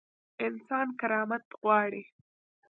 انسان کرامت غواړي